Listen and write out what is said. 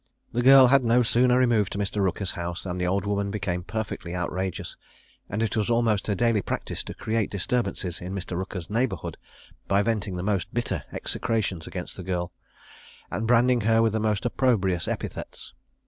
The girl had no sooner removed to Mr. Rooker's house than the old woman became perfectly outrageous; and it was almost her daily practice to create disturbances in Mr. Rooker's neighbourhood, by venting the most bitter execrations against the girl, and branding her with the most opprobrious epithets.